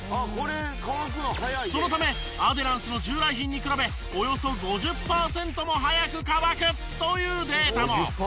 そのためアデランスの従来品に比べおよそ５０パーセントも早く乾くというデータも！